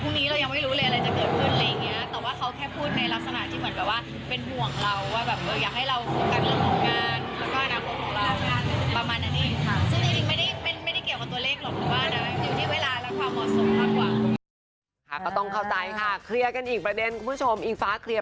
มันไม่มีใครรู้ขนาดพรุ่งนี้เรายังไม่รู้เลยอะไรจะเกิดขึ้นอะไรอย่างเงี้ย